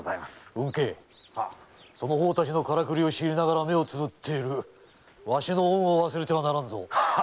運慶その方たちのカラクリを知りながら目をつむっているわしの恩を忘れてはならんぞ。